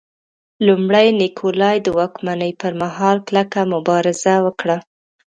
لومړي نیکولای د واکمنۍ پرمهال کلکه مبارزه وکړه.